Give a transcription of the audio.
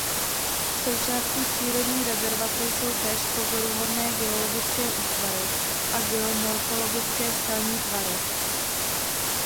Součástí přírodní rezervace jsou též pozoruhodné geologické útvary a geomorfologické skalní tvary.